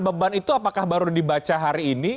beban itu apakah baru dibaca hari ini